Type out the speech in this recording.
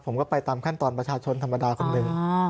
ผมก็ไปตามขั้นตอนประชาชนธรรมดาคนหนึ่ง